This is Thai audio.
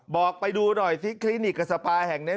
บอกไปดูหน่อยซิคลินิกกับสภาแห่งนี้